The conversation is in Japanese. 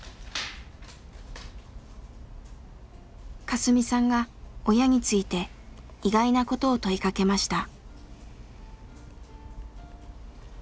カスミさんが親について意外なことを問いかけました。